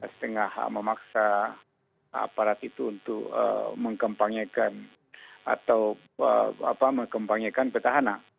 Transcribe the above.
setengah memaksa aparat itu untuk mengempangyakan atau apa mengempangyakan petahana